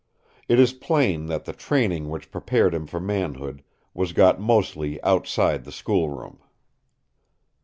It is plain that the training which prepared him for manhood was got mostly outside the schoolroom.